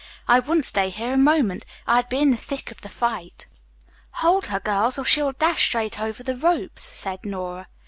"I wouldn't stay here a moment. I'd be in the thick of the fight." "Hold her girls, or she'll dash straight over the ropes," said Nora.